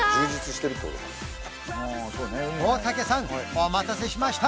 お待たせしました